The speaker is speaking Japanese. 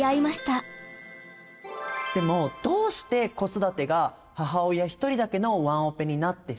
でもどうして子育てが母親一人だけのワンオペになってしまいがちなのか？